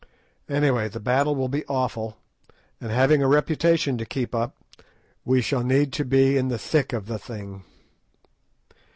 Anyway, the battle will be awful, and having a reputation to keep up, we shall need to be in the thick of the thing."